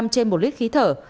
trên một lít khí thở